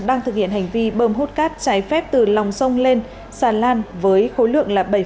đang thực hiện hành vi bơm hút cát trái phép từ lòng sông lên sàn lan với khối lượng bảy chín mươi hai